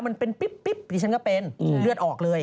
มันเป็นปิ๊บดิฉันก็เป็นเลือดออกเลย